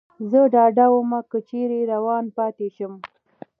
زه ډاډه ووم، که چېرې روان پاتې شم.